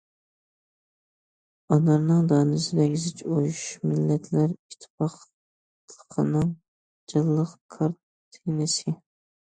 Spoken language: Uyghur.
ئانارنىڭ دانىسىدەك زىچ ئۇيۇشۇش مىللەتلەر ئىتتىپاقلىقىنىڭ جانلىق كارتىنىسى.